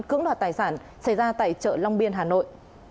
cưỡng đoạt tài sản xảy ra tại chợ long biên hà nội